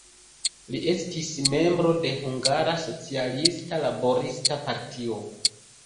Li estis membro de Hungara Socialista Laborista Partio.